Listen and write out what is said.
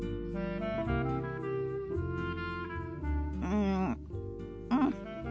うんうん。